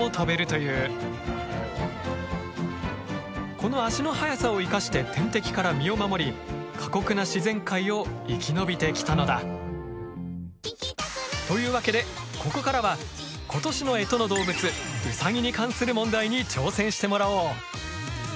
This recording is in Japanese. この足の速さを生かして天敵から身を守り過酷な自然界を生き延びてきたのだ！というわけでここからは今年の干支の動物ウサギに関する問題に挑戦してもらおう！